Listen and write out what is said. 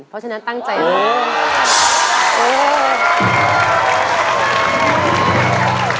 เพราะฉะนั้นตั้งใจเลย